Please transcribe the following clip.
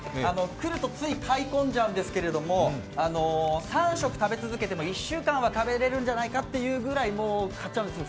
来ると、つい買い込んじゃうんですけど、３食、食べ続けても１週間は食べれるんじゃないかというぐらい買っちゃうんですよ